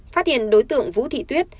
phát hiện đối tượng vũ thị tuyết